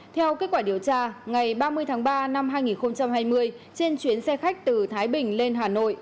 theo kết quả điều tra ngày ba mươi tháng ba năm hai nghìn hai mươi trên chuyến xe khách từ thái bình lên hà nội